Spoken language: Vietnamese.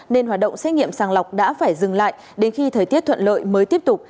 nên hoạt động xét nghiệm sàng lọc đã phải dừng lại đến khi thời tiết thuận lợi mới tiếp tục